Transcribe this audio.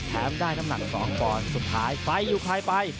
แถมได้น้ำหนัก๒บอลสุดท้ายไฟอยู่ใครไป